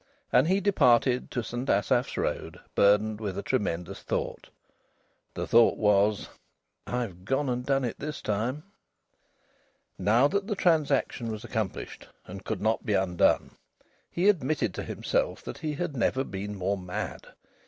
And he departed to St Asaph's Road burdened with a tremendous thought. The thought was: "I've gone and done it this time!" Now that the transaction was accomplished and could not be undone, he admitted to himself that he had never been more mad.